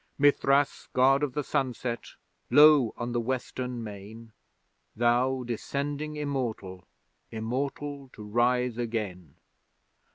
Mithras, God of the Sunset, low on the Western main, Thou descending immortal, immortal to rise again!